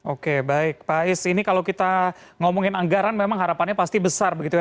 oke baik pak is ini kalau kita ngomongin anggaran memang harapannya pasti besar begitu ya